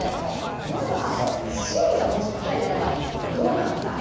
では、Ｃがもし答えになる場合、どうなのか。